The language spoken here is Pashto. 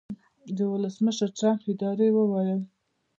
د ولسمشرټرمپ ادارې وویل